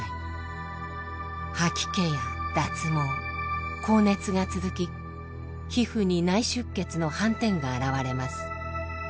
吐き気や脱毛高熱が続き皮膚に内出血の斑点が現れます。